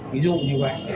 ví dụ như vậy